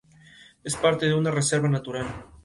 Es parte de una reserva natural.